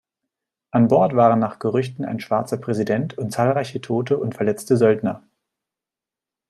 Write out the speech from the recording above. An Bord waren nach Gerüchten ein schwarzer Präsident und zahlreiche tote und verletzte Söldner.